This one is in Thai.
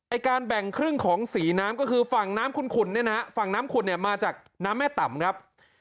การแบ่งครึ่งของสีน้ำก็คือฝั่งน้ำขุนเนี่ยนะฮะฝั่งน้ำขุนเนี่ยมาจากน้ำแม่ต่ำครับ